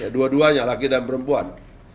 dua duanya laki dan perempuan